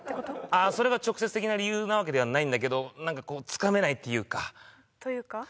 ああそれが直接的な理由なわけではないんだけど何かこうつかめないっていうかというか？